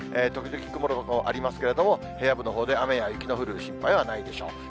時々曇る所もありますけれども、平野部のほうでは雨や雪の降る心配はないでしょう。